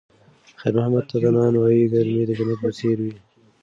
خیر محمد ته د نانوایۍ ګرمي د جنت په څېر وه.